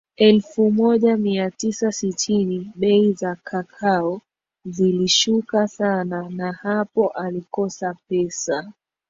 elfu moja mia tisa sitini bei za kakao zilishuka sana na hapo alikosa pesa